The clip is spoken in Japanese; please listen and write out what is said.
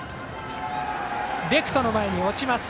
レフト前に落ちます。